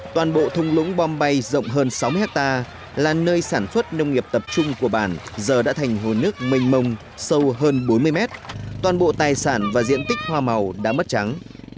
toàn bộ thung lũng bom bay rộng hơn sáu mươi hectare là nơi sản xuất nông nghiệp tập trung của bản giờ đã thành hồ nước mênh mông sâu hơn bốn mươi mét toàn bộ tài sản và diện tích hoa màu đã mất trắng